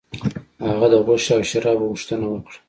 هغه د غوښې او شرابو غوښتنه وکړه.